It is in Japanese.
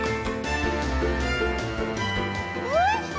おいしい！